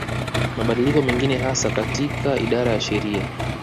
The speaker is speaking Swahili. Mabadiliko mengine hasa katika idara ya sheria